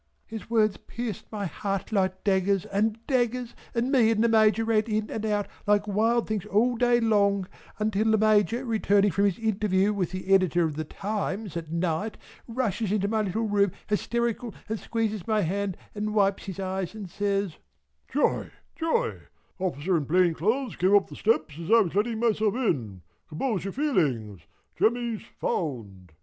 His words pierced my heart like daggers and daggers, and me and the Major ran in and out like wild things all day long till the Major returning from his interview with the Editor of the Times at night rushes into my little room hysterical and squeezes my hand and wipes his eyes and says "Joy joy officer in plain clothes came up on the steps as I was letting myself in compose your feelings Jemmy's found."